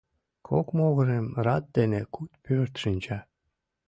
Кок могырым рат дене куд пӧрт шинча.